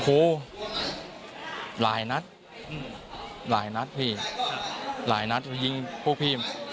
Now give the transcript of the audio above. โอ้โหหลายนัดหลายนัดพี่หลายนัดก็ยิงพวกพี่มันเสร็จ